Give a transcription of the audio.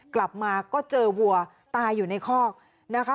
กลับมาก็เจอวัวตายอยู่ในคอกนะคะ